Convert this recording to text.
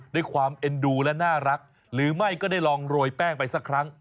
ด้วยความเอ็นดูและน่ารักหรือไม่ก็ได้ลองโรยแป้งไปสักครั้ง